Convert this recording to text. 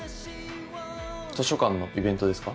図書館のイベントですか？